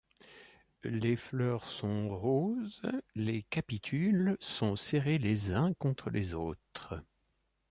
Les fleurs sont roses, les capitules sont serrés les uns contre les autres.